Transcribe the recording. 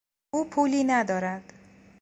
او پولی ندارد.